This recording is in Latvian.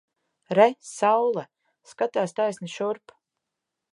Re! Saule! Skatās taisni šurp!